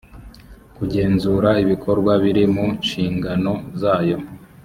kugenzura ibikorwa biri mu nshingano zayo